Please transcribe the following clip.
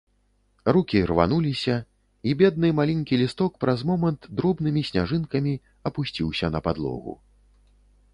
Рукі рвануліся, і бедны маленькі лісток праз момант дробнымі сняжынкамі апусціўся на падлогу.